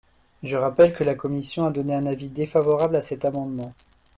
Je rappelle que la commission a donné un avis défavorable à cet amendement.